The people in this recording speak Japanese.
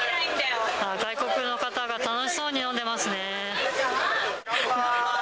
外国の方が楽しそうに飲んでますね。